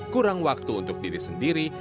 kurang waktu untuk diri sendiri